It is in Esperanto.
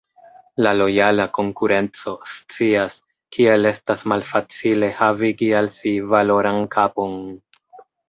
La Lojala Konkurenco scias, kiel estas malfacile havigi al si valoran kapon.